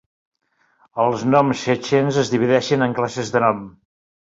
Els noms txetxens es divideixen en classes de nom.